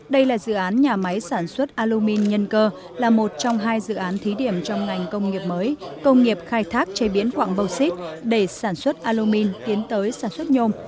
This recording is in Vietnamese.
đây là dự án nhà máy sản xuất alumin nhân cơ là một trong hai dự án thí điểm trong ngành công nghiệp mới công nghiệp khai thác chế biến quạng bầu xít để sản xuất alumin tiến tới sản xuất nhôm